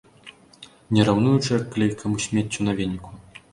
Не раўнуючы, як клейкаму смеццю на веніку.